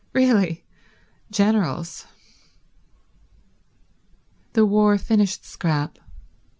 Really generals ... The war finished Scrap.